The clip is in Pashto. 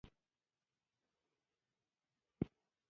ملک صاحب ډېرې ترخې څپېړې خوړلې.